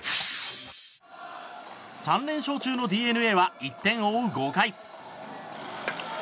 ３連勝中のＤｅＮＡは１点を追う５回。